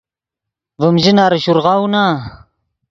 ڤیم ژناری شورغاؤو نا